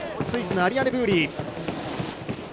スイスのアリアネ・ブーリ。